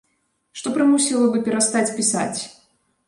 Што прымусіла бы перастаць пісаць?